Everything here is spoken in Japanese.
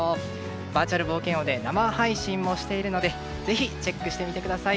バーチャル冒険王で生配信もしているのでぜひ、チェックしてみてください。